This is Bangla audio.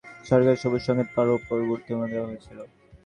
দুবাইয়ের বৈঠকে দুই দেশের সরকারের সবুজসংকেত পাওয়ার ওপরই গুরুত্ব দেওয়া হয়েছিল।